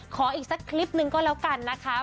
อีกสักคลิปหนึ่งก็แล้วกันนะคะ